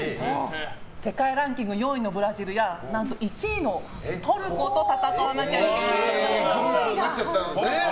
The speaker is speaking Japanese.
世界ランキング４位のブラジルや何と１位のトルコと戦わなきゃいけないんです。